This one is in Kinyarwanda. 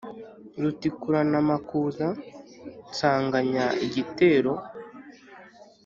rutikuranamakuza nsanganya igitero